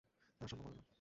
তা সম্ভব হবে না।